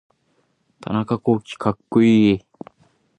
田中洸希かっこいい